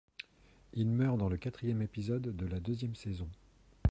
Il meurt dans le quatrième épisode de la deuxième saison.